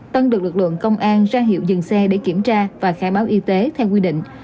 tân được lực lượng công an ra hiệu dừng xe để kiểm tra và khai báo y tế theo quy định